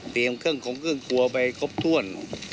เตรียมเครื่องคงเครื่องครัวไปครบถ้วน